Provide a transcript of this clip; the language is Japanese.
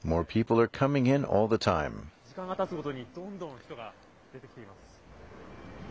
時間がたつごとにどんどん人が出てきています。